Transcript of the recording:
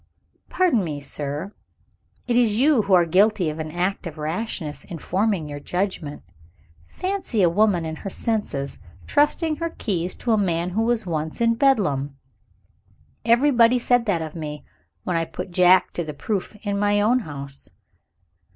"Pardon me, sir, it is you who are guilty of an act of rashness in forming your judgment. 'Fancy a woman in her senses trusting her keys to a man who was once in Bedlam!' Everybody said that of me, when I put Jack to the proof in my own house."